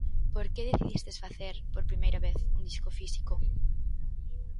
Por que decidistes facer, por primeira vez, un disco físico?